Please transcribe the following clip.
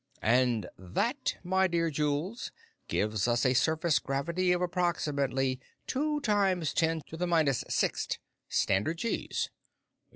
"And that, my dear Jules, gives us a surface gravity of approximately two times ten to the minus sixth standard gees."